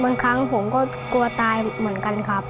บางครั้งผมก็กลัวตายเหมือนกันครับ